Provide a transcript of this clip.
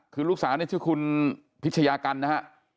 คือลูกสาวเนี่ยชื่อคุณพิชยากันนะฮะ